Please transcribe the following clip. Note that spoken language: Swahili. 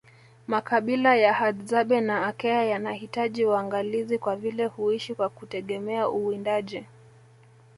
Makabila ya Hadzabe na Akea yanahitaji uangalizi kwa vile huishi kwa kutegemea uwindaji